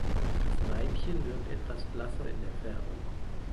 Das Weibchen wirkt etwas blasser in der Färbung.